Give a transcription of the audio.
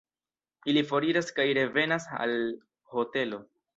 Ili foriras kaj revenas al hotelo.